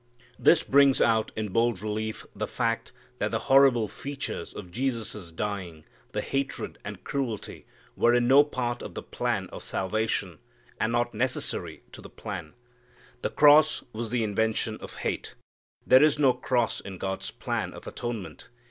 This brings out in bold relief the fact that the horrible features of Jesus' dying, the hatred and cruelty, were no part of the plan of salvation, and not necessary to the plan. The cross was the invention of hate. There is no cross in God's plan of atonement.